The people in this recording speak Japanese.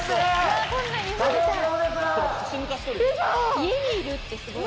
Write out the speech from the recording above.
家にいるってすごい。